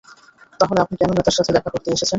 তাহলে আপনি কেন নেতার সাথে দেখা করতে এসেছেন?